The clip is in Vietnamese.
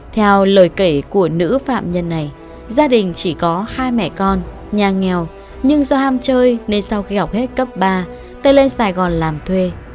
theo lời kể của nữ phạm nhân này gia đình chỉ có hai mẹ con nhà nghèo nhưng do ham chơi nên sau khi học hết cấp ba tôi lên sài gòn làm thuê